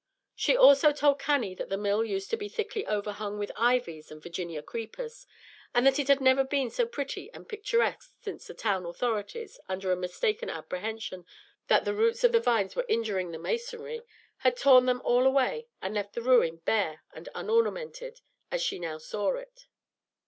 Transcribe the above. She also told Cannie that the mill used to be thickly overhung with ivies and Virginia creepers, and that it had never been so pretty and picturesque since the town authorities, under a mistaken apprehension that the roots of the vines were injuring the masonry, had torn them all away and left the ruin bare and unornamented, as she now saw it.